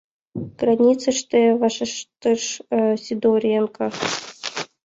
— Границыште, — вашештыш Сидоренко.